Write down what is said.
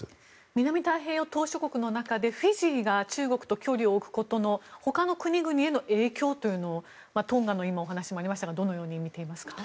南太平洋島しょ国の中でフィジーが中国と距離を置くことのほかの国々への影響というのをトンガの今、お話もありましたがどのように見ていますか。